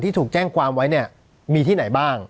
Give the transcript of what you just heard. ถูกแจ้งความไว้เนี่ยมีที่ไหนบ้าง